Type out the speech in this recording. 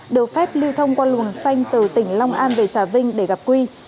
được phép lưu thông qua luồng xanh từ tỉnh long an về trà vinh để gặp quy